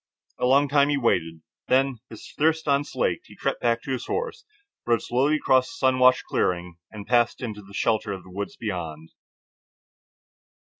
A long time he waited, when, with thirst unslaked, he crept back to his horse, rode slowly across the sun washed clearing, and passed into the shelter of the woods beyond.